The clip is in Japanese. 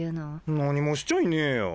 何もしちゃいねえよ。